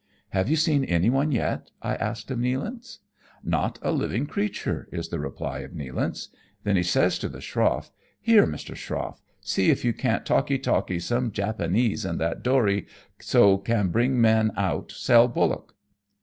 " Have you seen anyone yet ?" I ask of Nealance. "Not a living creature," is the reply of Nealance. Then he says to the schroff, " Here, Mr. Schroff, see if you can't talkee talkee some Japanee in that dooree, so can bring man out, sell bullock."